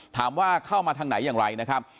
เข้ามาทางไหนอย่างไรนะครับ